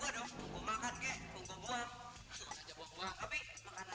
korengan korengan korengan korenganaint